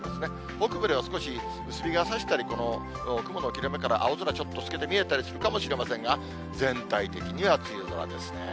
北部では少し薄日がさしたり、雲の切れ目から青空ちょっと透けて見えたりするかもしれませんが、全体的には梅雨空ですね。